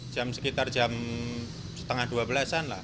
jam sekitar jam setengah dua belasan lah